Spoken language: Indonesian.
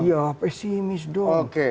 iya pesimis dong